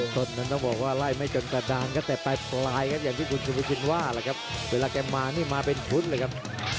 ต้นนั้นต้องบอกว่าไล่ไม่จนกระดานครับแต่ปลายครับอย่างที่คุณสุภชินว่าแหละครับเวลาแกมานี่มาเป็นชุดเลยครับ